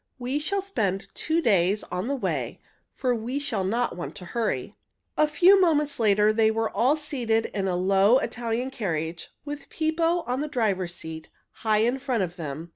We shall spend two days on the way, for we shall not want to hurry." A few moments later they were all seated in a low Italian carriage, with Pippo on the driver's seat, high in front of them.